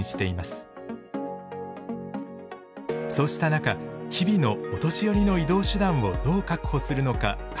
そうした中日々のお年寄りの移動手段をどう確保するのか課題となっています。